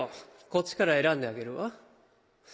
こっちから選んであげるわ。